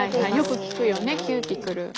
よく聞くよねキューティクル。